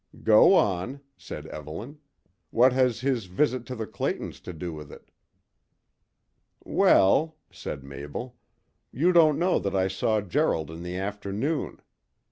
"Go on," said Evelyn. "What has his visit to the Claytons to do with it?" "Well," said Mabel, "you don't know that I saw Gerald in the afternoon.